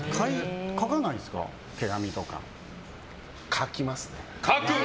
書きますね。